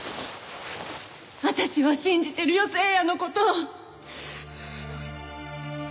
私は信じてるよ誠也の事。